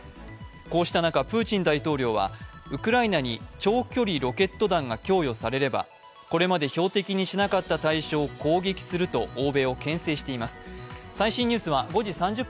こうした中、プーチン大統領はウクライナに長距離ロケット弾が供与されれば、これまで標的にしなかった対象を攻撃すると欧米をけん制しています。